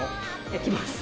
焼きます。